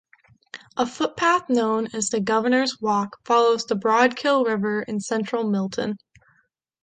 A footpath known as the Governors Walk follows the Broadkill River in central Milton.